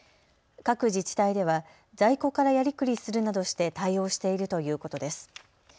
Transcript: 各自治体では在庫からやりくりするなどして対応しているということです。